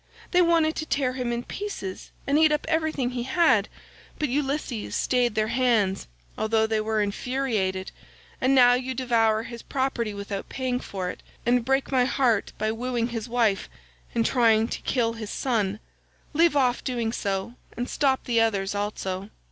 They wanted to tear him in pieces and eat up everything he had, but Ulysses stayed their hands although they were infuriated, and now you devour his property without paying for it, and break my heart by wooing his wife and trying to kill his son. Leave off doing so, and stop the others also."